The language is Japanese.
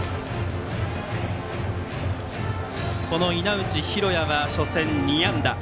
この稲内熙哉は初戦２安打。